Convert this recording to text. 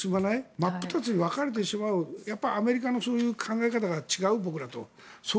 真っ二つに分かれてしまうアメリカの考え方が僕らと違う。